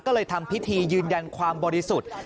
ก็เลยทำพิธียืนยันความบริสุทธิ์